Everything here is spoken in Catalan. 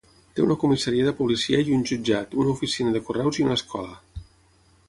Té una comissaria de policia i un jutjat, una oficina de correus i una escola.